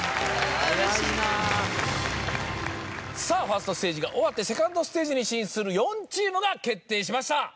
さぁ１ｓｔステージが終わって２ｎｄステージに進出する４チームが決定しました。